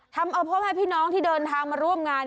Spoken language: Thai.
ทำเอาพ่อแม่พี่น้องที่เดินทางมาร่วมงาน